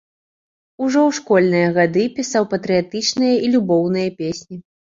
Ужо ў школьныя гады пісаў патрыятычныя і любоўныя песні.